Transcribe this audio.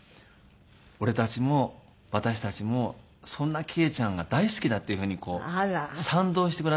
「俺たちも私たちもそんな惠ちゃんが大好きだ」っていうふうにこう賛同してくださる。